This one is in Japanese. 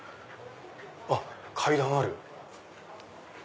あっ階段ある。